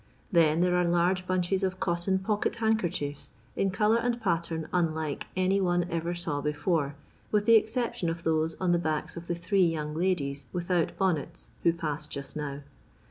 Then, there are large btmches of cotton pocket handkochiefi^ in colour and pattern unlike any one ever saw before, with the exception of those on the backs of the three young ladies with out bonnets who passed just now.